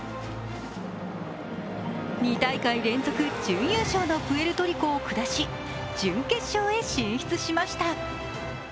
２大会連続準優勝のプエルトリコを下し、準決勝へ進出しました。